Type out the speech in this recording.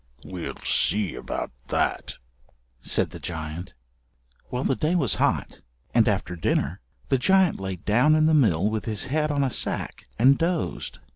"We'll see about that," said the giant. Well, the day was hot, and after dinner the giant lay down in the mill with his head on a sack and dozed.